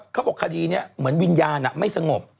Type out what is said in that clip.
เขาบอกคดีนี้เหมือนวิญญาณอะไม่สงบ